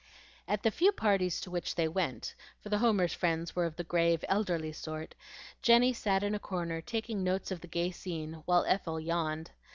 At the few parties to which they went, for the Homers' friends were of the grave, elderly sort, Jenny sat in a corner taking notes of the gay scene, while Ethel yawned.